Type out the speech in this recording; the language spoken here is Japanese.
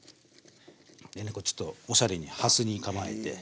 でねちょっとおしゃれにはすに構えて。